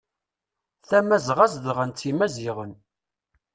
Tamazɣa zedɣen-tt imaziɣen.